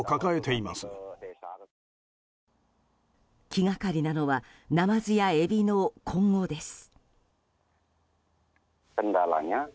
気がかりなのはナマズやエビの今後です。